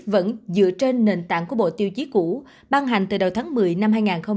vẫn dựa trên nền tảng của bộ tiêu chí cũ ban hành từ đầu tháng một mươi năm hai nghìn một mươi tám